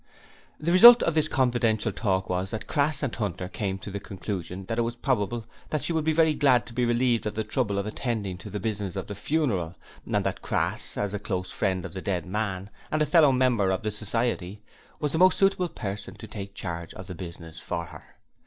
The result of this confidential talk was that Crass and Hunter came to the conclusion that it was probable that she would be very glad to be relieved of the trouble of attending to the business of the funeral, and that Crass, as a close friend of the dead man, and a fellow member of the society, was the most suitable person to take charge of the business for her.